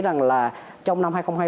rằng là trong năm hai nghìn hai mươi ba